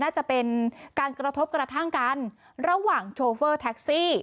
น่าจะเป็นการกระทบกระทั่งกันระหว่างโชเฟอร์แท็กซี่